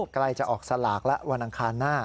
ใกล้จะออกสลากแล้ววันอังคารหน้า